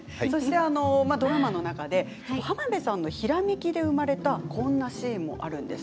浜辺さんのひらめきで生まれたこんなシーンもあるんです。